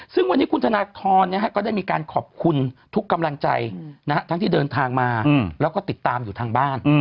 ซึ่งวันนี้คุณธนทรก็ได้มีการขอบคุณทุกกำลังใจทั้งที่เดินทางมาแล้วก็ติดตามอยู่ทางบ้าน